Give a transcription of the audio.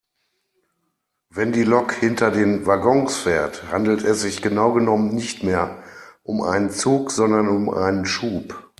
Wenn die Lok hinter den Waggons fährt, handelt es sich genau genommen nicht mehr um einen Zug sondern um einen Schub.